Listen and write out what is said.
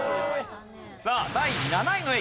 さあ第７位の駅